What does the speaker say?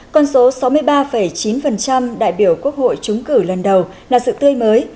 con số sáu mươi ba chín đại biểu quốc hội trúng cử lần đầu là sự tươi mới